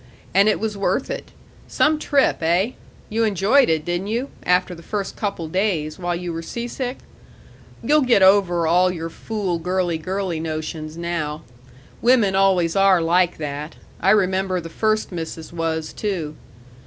And it was worth it. Some trip, eh? You enjoyed it, didn't you after the first couple days, while you were seasick? You'll get over all your fool, girly girly notions now. Women always are like that. I remember the first missus was, too....